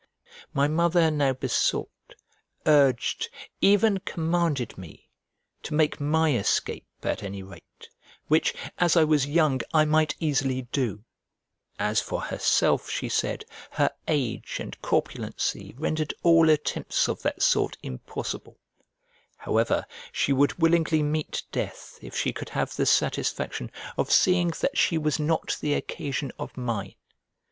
My mother now besought, urged, even commanded me to make my escape at any rate, which, as I was young, I might easily do; as for herself, she said, her age and corpulency rendered all attempts of that sort impossible; however, she would willingly meet death if she could have the satisfaction of seeing that she was not the occasion of mine.